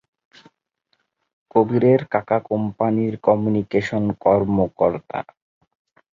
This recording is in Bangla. কবিরের কাকা কোম্পানির কমিউনিকেশন কর্মকর্তা।